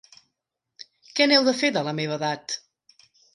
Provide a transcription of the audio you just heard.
Què n'heu de fer, de la meva edat?